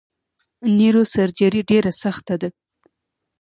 نیوروسرجري ډیره سخته ده!